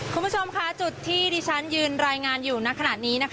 คุณผู้ชมค่ะจุดที่ดิฉันยืนรายงานอยู่ในขณะนี้